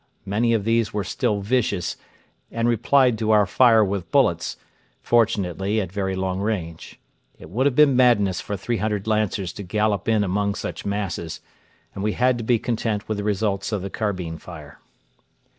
Many of these were still vicious, and replied to our fire with bullets, fortunately at very long range. It would have been madness for 300 Lancers to gallop in among such masses, and we had to be content with the results of the carbine fire.